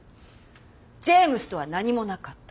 ジェームズとは何もなかった。